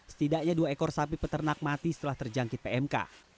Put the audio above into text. setidaknya dua ekor sapi peternak mati setelah terjangkit pmk